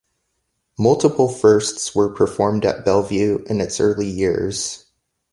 Multiple firsts were performed at Bellevue in its early years.